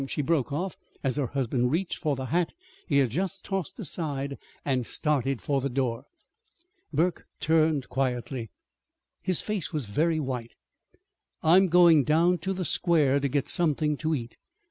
she broke off, as her husband reached for the hat he had just tossed aside, and started for the door. Burke turned quietly. His face was very white. "I'm going down to the square to get something to eat.